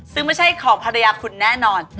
ซึ่งไม่ใช่ของภรรยาคุณแน่นอน